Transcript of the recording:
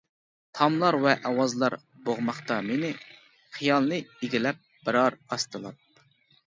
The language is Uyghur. تاملار ۋە ئاۋازلار بوغماقتا مېنى، خىيالنى ئىگىلەپ بارار ئاستىلاپ.